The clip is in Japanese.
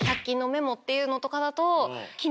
っていうのとかだと。